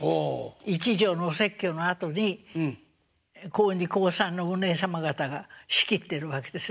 一場のお説教のあとに高２高３のおねえ様方が仕切ってるわけです。